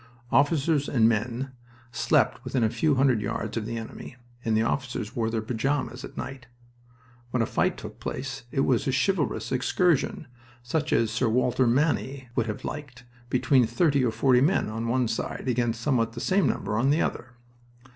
Officers and men slept within a few hundred yards of the enemy, and the officers wore their pajamas at night. When a fight took place it was a chivalrous excursion, such as Sir Walter Manny would have liked, between thirty or forty men on one side against somewhat the same number on the other.